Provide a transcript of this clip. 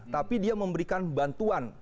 tapi dia memberikan bantuan